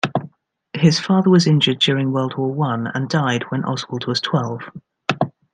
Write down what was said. His father was injured during World War One and died when Oswald was twelve.